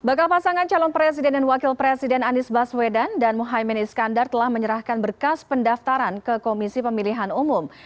bakal pasangan calon presiden dan wakil presiden anies baswedan dan muhaymin iskandar telah menyerahkan berkas pendaftaran ke komisi pemilihan umum